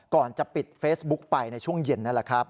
ก่อนจะปิดเฟซบุ๊กไปในช่วงเย็นนั่นแหละครับ